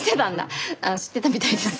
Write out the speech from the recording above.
知ってたみたいです。